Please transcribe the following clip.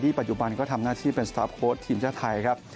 ปัจจุบันก็ทำหน้าที่เป็นสตาร์ฟโค้ดทีมชาติไทยครับ